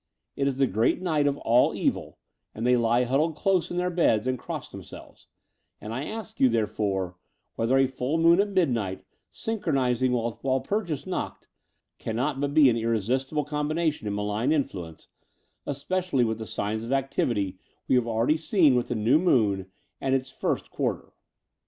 It is the great night of All Evil, and they lie huddled close in their beds and cross themselves: and I ask you, therefore, whether a full moon at midnight, syn chronizing with Walpurgis Nacht, cannot but be an irresistible combination in malign influaice, especially with the signs of activity we have al 200 The Door off the Unreal ready seen with the new moon and in its first quarter?